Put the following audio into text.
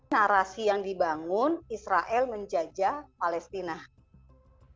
narasi yang dibangun israel menjajah palestina